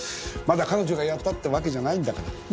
まだ彼女がやったってわけじゃないんだから。